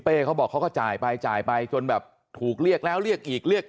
เขาบอกเขาก็จ่ายไปจ่ายไปจนแบบถูกเรียกแล้วเรียกอีกเรียก